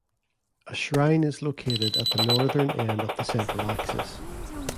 A shrine is located at the northern end of the central axis.